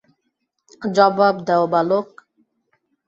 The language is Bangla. জবাব দেও, বালক!